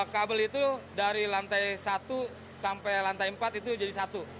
kabel itu dari lantai satu sampai lantai empat itu jadi satu